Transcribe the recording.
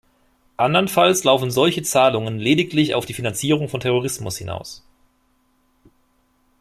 Andernfalls laufen solche Zahlungen lediglich auf die Finanzierung von Terrorismus hinaus.